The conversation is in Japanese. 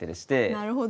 なるほど。